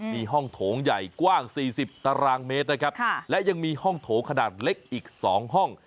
มีห้องโถงใหญ่กว้าง๔๐ตารางเมตรนะครับและยังมีห้องโถงขนาดเล็กอีก๒ห้อง